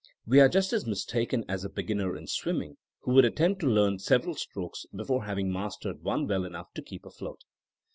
We are just as mistaken as a be ginner in swimming who would attempt to learn several stroke.s before having mastered one well enough to keep afloat.